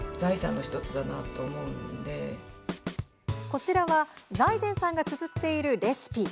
こちらは財前さんがつづっているレシピ。